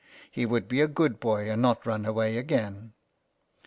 He would be a good boy and not run away again.